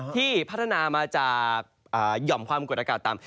ที่พัฒนามาจากหย่อมความกดอากาศต่ำ